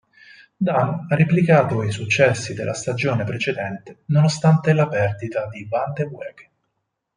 Dunn ha replicato i successi della stagione precedente nonostante la perdita di Vandeweghe.